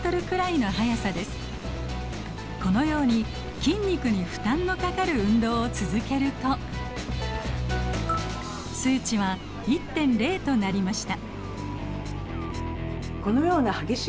このように筋肉に負担のかかる運動を続けると数値は１．０となりました。